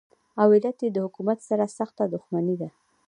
او علت یې له حکومت سره سخته دښمني ده.